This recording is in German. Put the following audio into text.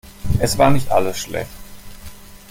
Es war nicht alles schlecht.